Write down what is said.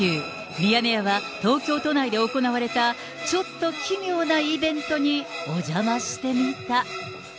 ミヤネ屋は東京都内で行われた、ちょっと奇妙なイベントにお邪魔してみた。